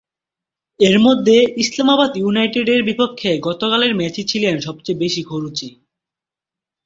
এর মধ্যে ইসলামাবাদ ইউনাইটেডের বিপক্ষে গতকালের ম্যাচেই ছিলেন সবচেয়ে বেশি খরুচে।